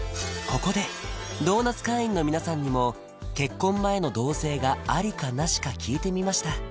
ここでドーナツ会員の皆さんにも結婚前の同棲がありかなしか聞いてみました